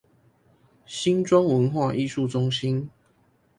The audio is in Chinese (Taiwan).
新莊文化藝術中心